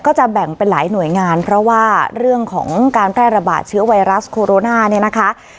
ก็จะแบ่งเป็นหลายหน่วยงานเพราะว่าเรื่องของการแพร่ระบาดเชื้อไวรัสโคโรนาเนี่ยนะคะ